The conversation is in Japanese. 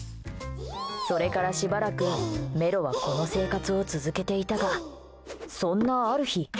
それからしばらくメロはこの生活を続けていたがそんな、ある日。